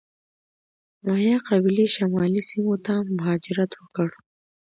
مایا قبیلې شمالي سیمو ته مهاجرت وکړ.